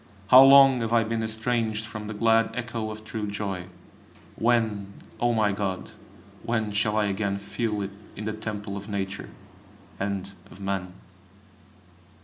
How long have I been estranged from the glad echo of true joy! When! O my God! when shall I again feel it in the temple of Nature and of man?